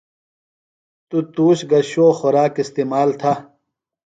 تو تُوش گہ شو خوراک استعمال تھہ۔